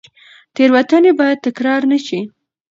تېروتنې باید تکرار نه شي.